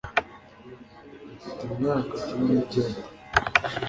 mfite imyaka cumi ni kenda